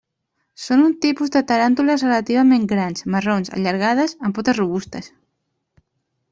Són un tipus de taràntules relativament grans, marrons, allargades, amb potes robustes.